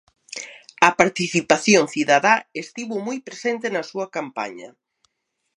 A participación cidadá estivo moi presente na súa campaña.